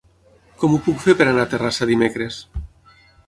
Com ho puc fer per anar a Terrassa dimecres?